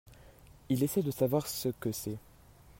Il essaye de savoir ce que c'est.